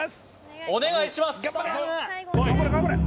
お願いします